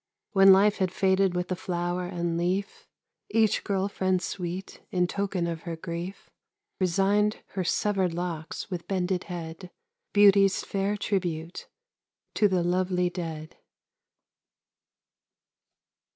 When life had faded with the flower and leaf, Each girl friend sweet, in token of her grief, Resigned her severed locks with bended head, Beauty's fair tribute to the lovely dead.